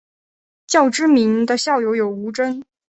较知名的校友有吴峥。